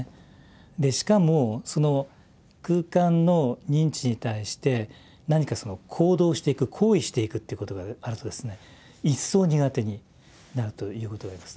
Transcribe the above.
でしかもその空間の認知に対して何か行動していく行為していくっていうことがあるとですね一層苦手になるということがあります。